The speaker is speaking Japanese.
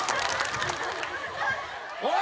おい。